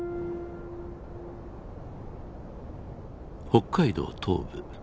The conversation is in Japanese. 北海道東部